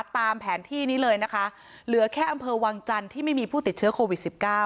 ตามแผนที่นี้เลยนะคะเหลือแค่อำเภอวังจันทร์ที่ไม่มีผู้ติดเชื้อโควิด๑๙